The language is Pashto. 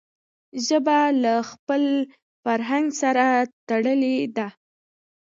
ژبه له خپل فرهنګ سره تړلي ده.